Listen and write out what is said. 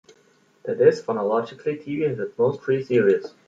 That is, phonologically Tiwi has at most three series.